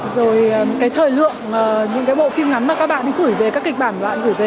rồi cái thời lượng những cái bộ phim ngắn mà các bạn gửi về các kịch bản và bạn gửi về